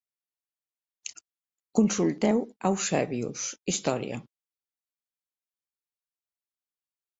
Consulteu Eusebius, Història.